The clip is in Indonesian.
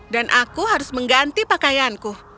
dan aku harus mengganti pakaianku